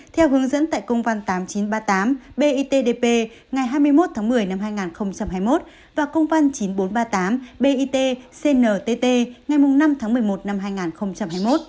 theo hướng dẫn tại công văn tám nghìn chín trăm ba mươi tám bitdp ngày hai mươi một tháng một mươi năm hai nghìn hai mươi một và công văn chín nghìn bốn trăm ba mươi tám bit cntt ngày năm tháng một mươi một năm hai nghìn hai mươi một